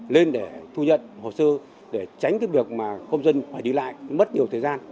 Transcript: lên để thu nhận hồ sơ để tránh việc công dân phải đi lại mất nhiều thời gian